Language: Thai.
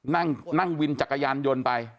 นั่งวินจักรยานยนต์ไป